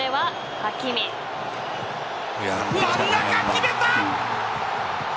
真ん中、決めた！